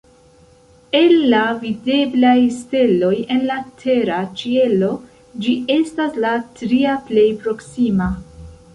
El la videblaj steloj en la tera ĉielo, ĝi estas la tria plej proksima.